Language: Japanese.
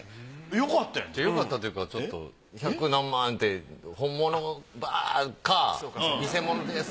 よかったというかちょっと１００何万って本物バーか偽物です